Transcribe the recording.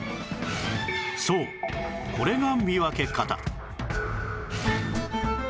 そうこれが見分け方